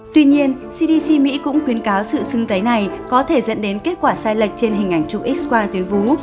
tuy nhiên cdc mỹ cũng khuyến cáo sự sưng tấy này có thể dẫn đến kết quả sai lệch trên hình ảnh chụp x qua tuyến vú